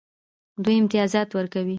دوی امتیازات ورکوي.